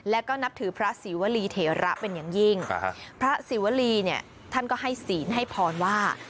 แล้วก็นับถือพระศรีวรีเถระเป็นอย่างยิ่งพระศิวรีเนี่ยท่านก็ให้ศีลให้พรว่า